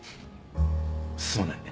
すまない。